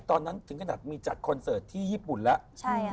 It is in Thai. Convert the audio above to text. ถึงขนาดมีจัดคอนเสิร์ตที่ญี่ปุ่นแล้ว